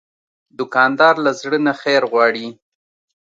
دوکاندار له زړه نه خیر غواړي.